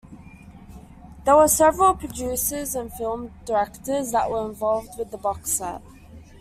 There were several producers and film directors that were involved with the box set.